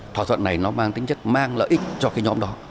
thỏa thuận này nó mang tính chất mang lợi ích cho cái nhóm đó